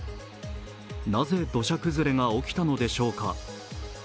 なぜ土砂崩れが起きたのでしょうか。